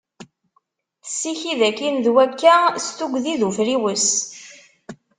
Tessikid akin d wakka s tugdi d ufriwes.